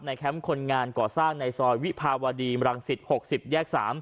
แคมป์คนงานก่อสร้างในซอยวิภาวดีมรังสิต๖๐แยก๓